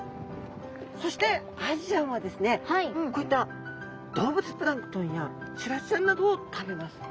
そしてアジちゃんはですねこういった動物プランクトンやシラスちゃんなどを食べます。